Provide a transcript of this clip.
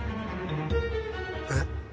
えっ？